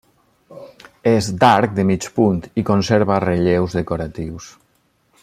És d'arc de mig punt i conserva relleus decoratius.